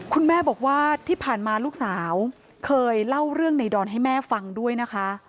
คุณแม่บอกว่าที่ผ่านมาลูกสาวเคยเล่าเรื่องในดอนให้แม่ฟังด้วยนะคะ